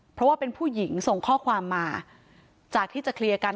เพราะว่าเป็นผู้หญิงส่งข้อความมาจากที่จะเคลียร์กัน